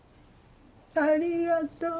ありがとう。